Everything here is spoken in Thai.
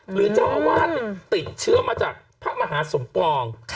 หรือเจ้าอาวาสติดเชื้อมาจากพระมหาสมปอง